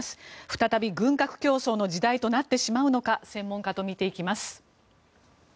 再び軍拡競争の時代となってしまうのか専門家と見ていきます。